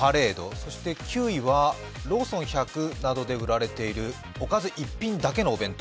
そして９位はローソン１００などで売られているおかず１品だけのお弁当。